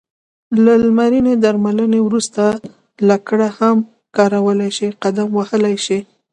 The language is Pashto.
له لمرینې درملنې وروسته لکړه هم کارولای شې، قدم وهلای شې.